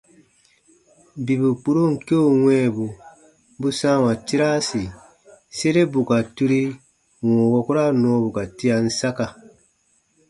Bibu kpuron keu wɛ̃ɛbu bu sãawa tiraasi sere bù ka turi wɔ̃ɔ wukura nɔɔbu ka tian saka.